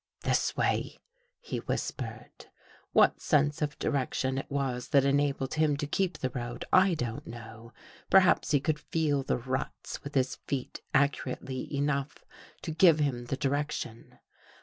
" This way," he whispered. What sense of direction it was that enabled him to keep the road, I don't know. Perhaps he could THE HOUSEBREAKERS feel the ruts with his feet accurately enough to give him the direction.